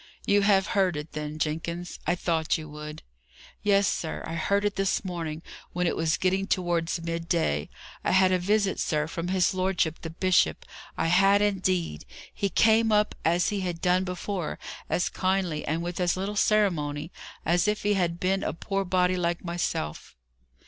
"You have heard it, then, Jenkins? I thought you would." "Yes, sir, I heard it this morning, when it was getting towards mid day. I had a visit, sir, from his lordship the bishop. I had, indeed! He came up as he has done before as kindly, and with as little ceremony, as if he had been a poor body like myself.